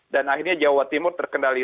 dan akhirnya jawa timur terkendali